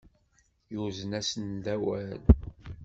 Yuzen-asen-d awal.